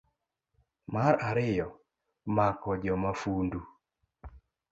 mar ariyo, mako jomafundu